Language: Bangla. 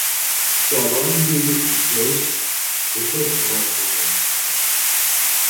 চলন বিল বেশ দ্রুত ভরাট হয়ে আসছে।